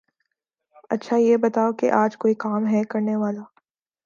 اچھا یہ بتاؤ کے آج کوئی کام ہے کرنے والا؟